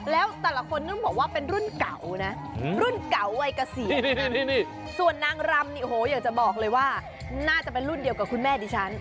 แล้วแต่ละคนต้องบอกว่าเป็นรุ่นเก่านะรุ่นเก่าวัยเกษียณส่วนนางรำเนี่ยโอ้โหอยากจะบอกเลยว่าน่าจะเป็นรุ่นเดียวกับคุณแม่ดิฉัน